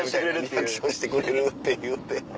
リアクションしてくれるっていうて。